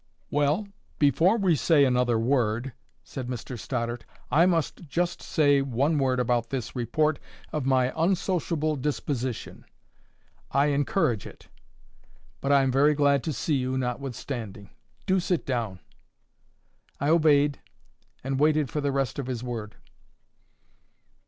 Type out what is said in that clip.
"Well, before we say another word," said Mr Stoddart, "I must just say one word about this report of my unsociable disposition.—I encourage it; but am very glad to see you, notwithstanding.—Do sit down." I obeyed, and waited for the rest of his word.